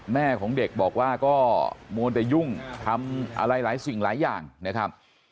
แม่ของเด็กบอกว่าก็มัวแต่ยุ่งทำอะไรหลายสิ่งหลายอย่างนะครับ